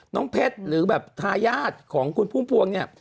เพชรหรือแบบทายาทของคุณพุ่มพวงเนี่ย